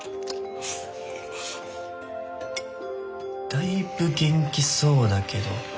だいぶ元気そうだけど。